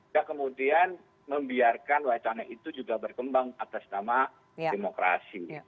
dan kemudian membiarkan wacana itu juga berkembang atas nama demokrasi